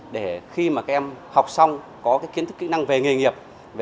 để khi mà các em học xong có kiến thức kỹ năng về nghề nghiệp